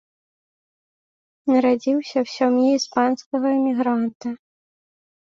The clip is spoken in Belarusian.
Нарадзіўся ў сям'і іспанскага эмігранта.